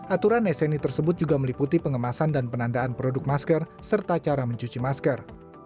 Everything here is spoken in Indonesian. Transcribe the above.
aturan sni tersebut juga meliputi pengemasan dan penandaan produk masker serta cara mencuci masker